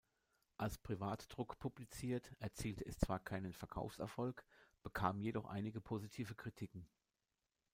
Als Privatdruck publiziert, erzielte es zwar keinen Verkaufserfolg, bekam jedoch einige positive Kritiken.